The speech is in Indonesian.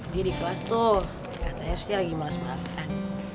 dia di kelas tuh katanya harusnya lagi males makan